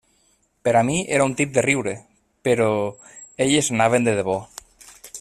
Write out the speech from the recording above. Per a mi era un tip de riure, però elles anaven de debò.